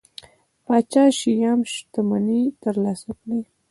پاچا شیام شتمنۍ ترلاسه کړي.